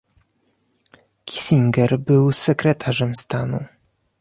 Kissinger był sekretarzem stanu